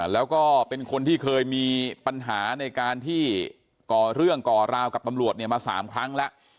แล้วก็เป็นคนที่เคยมีปัญหาในการที่ก่อเรื่องก่อราวกับตำรวจเนี่ยมา๓ครั้งแล้ว